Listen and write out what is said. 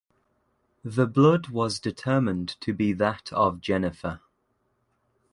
The blood was determined to be that of Jennifer.